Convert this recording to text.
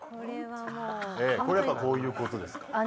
これはやっぱこういうことですか？